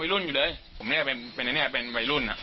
แต่ตอนนี้ไม่ทำแล้วเริกไว้แล้ว